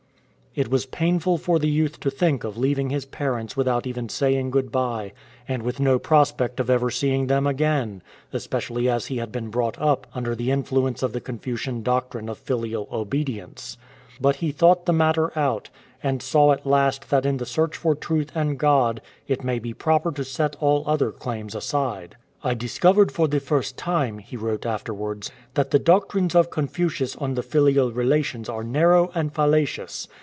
It was painful for the youth to think of leaving his parents without even saying good bye, and with no prospect of ever seeing them again, especially as he had been brought up under the influence of the Confucian doctrine of filial obedience. But he thought the matter out, and saw at last that in the search for truth and God it may be proper to set all other claims aside. " I dis covered for the first time,"" he wrote afterwards, " that the doctrines of Confucius on the filial relations are narrow and fallacious.